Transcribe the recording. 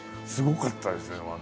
すごかったですよ